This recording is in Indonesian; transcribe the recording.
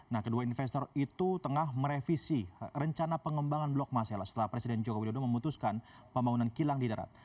nah kedua investor itu tengah merevisi rencana pengembangan blok masela setelah presiden joko widodo memutuskan pembangunan kilang di darat